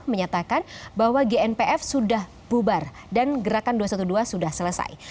menyatakan bahwa gnpf sudah bubar dan gerakan dua ratus dua belas sudah selesai